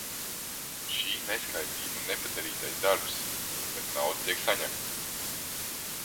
Un šī neskaidrība un nepadarītais darbs, bet nauda tiek saņemta.